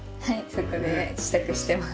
そこで支度してます。